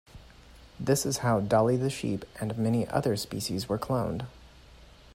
This is how Dolly the Sheep and many other species were cloned.